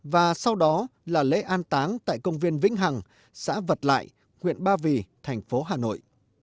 và sau đó là lễ an táng tại công viên vĩnh hằng xã vật lại huyện ba vì thành phố hà nội